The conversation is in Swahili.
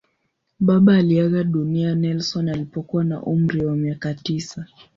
Baba aliaga dunia Nelson alipokuwa na umri wa miaka tisa.